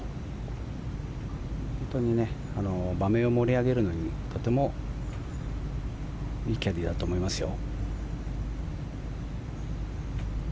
本当に場面を盛り上げるのにとてもいいキャディーだと思いますよ。